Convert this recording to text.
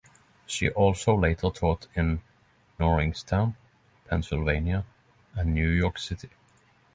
She also later taught in Norristown, Pennsylvania, and New York City.